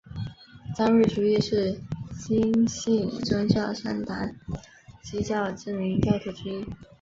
张瑞竹亦是新兴宗教山达基教知名教徒之一。